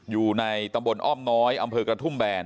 อยู่ในตำบลอ้อมน้อยอำเภอกระทุ่มแบน